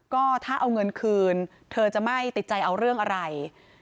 ก็ถ้าเอาเงินคืนเธอจะไม่ติดใจเอาเรื่องอะไร